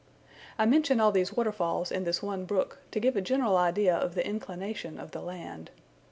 I mention all these waterfalls in this one brook, to give a general idea of the inclination of the land.